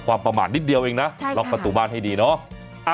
ประมาทนิดเดียวเองนะล็อกประตูบ้านให้ดีเนาะ